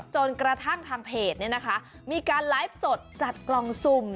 จนกระทั่งทางเพจมีการไลฟ์สดจัดกล่องสุ่ม